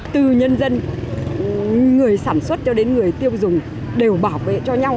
từ nhân dân người sản xuất cho đến người tiêu dùng đều bảo vệ cho nhau